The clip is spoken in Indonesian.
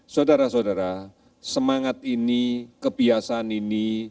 saudara saudara semangat ini kebiasaan ini